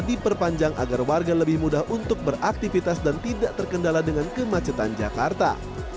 diperpanjang agar warga lebih mudah untuk beraktivitas dan tidak terkendala dengan kemacetan jakarta